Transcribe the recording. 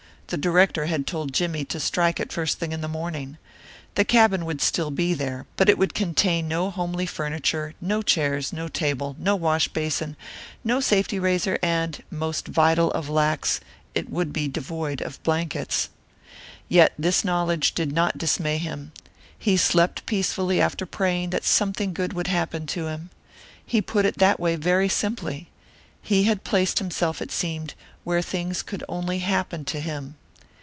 The director had told Jimmie to strike it first thing in the morning. The cabin would still be there, but it would contain no homely furniture, no chairs, no table, no wash basin, no safety razor and, most vital of lacks it would be devoid of blankets. Yet this knowledge did not dismay him. He slept peacefully after praying that something good would happen to him. He put it that way very simply. He had placed himself, it seemed, where things could only happen to him.